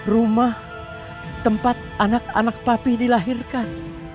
rumah tempat anak anak papih dilahirkan